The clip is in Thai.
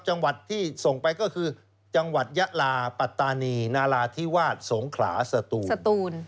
จังหวัดที่ส่งไปก็คือจังหวัดยะลาปัตตานีนาราธิวาสสงขลาสตูนสตูน